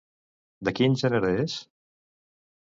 De quin gènere és?